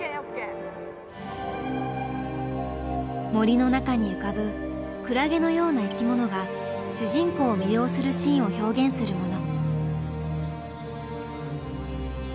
森の中に浮かぶクラゲのような生き物が主人公を魅了するシーンを表現するもの。